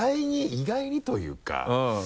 意外にというか。